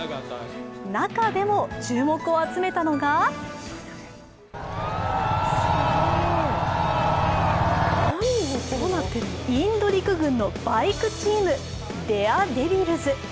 中でも注目を集めたのがインド陸軍のバイクチームデア・デビルズ。